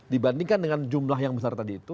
dibandingkan dengan jumlah yang besar tadi itu